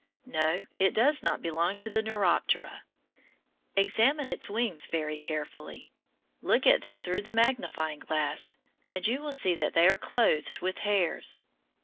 No, it does not belong to the Neuroptera. Examine its wings very carefully. Look at them through the magnifying glass, and you will see they are clothed with hairs.